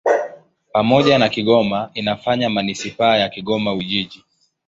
Pamoja na Kigoma inafanya manisipaa ya Kigoma-Ujiji.